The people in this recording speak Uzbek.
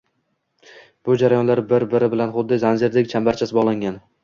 Bu jarayonlar bir-¬biri bilan xuddi zanjirdek chambarchas bogʻlangan.